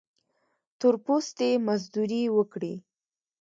تور پوستي مزدوري وکړي.